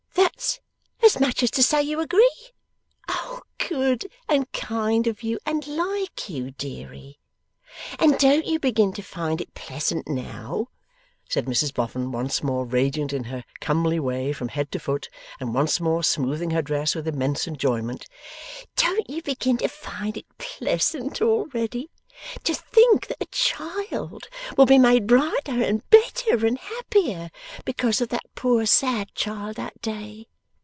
'That's as much as to say you agree? Good and kind of you, and like you, deary! And don't you begin to find it pleasant now,' said Mrs Boffin, once more radiant in her comely way from head to foot, and once more smoothing her dress with immense enjoyment, 'don't you begin to find it pleasant already, to think that a child will be made brighter, and better, and happier, because of that poor sad child that day?